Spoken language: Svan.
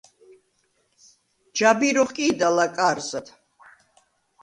ჯაბირ ოხკი̄და ლაკა̄რზად.